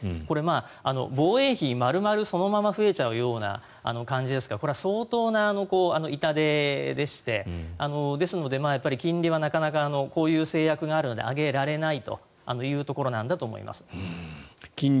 これは防衛費丸々そのまま増えちゃうような感じですからこれは相当な痛手でしてですので、金利はなかなかこういう制約があるので上げられないというところなんだと思います。